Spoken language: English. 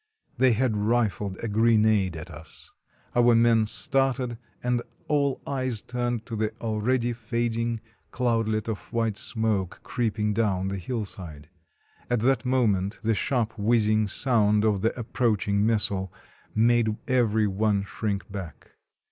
They had rifed a grenade at us. Our men started, and all eyes turned to the already fading cloudlet of white 211 RUSSIA smoke creeping down the hillside. At that moment the sharp whizzing sound of the approaching missile made every one shrink back.